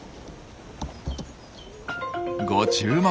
ご注目！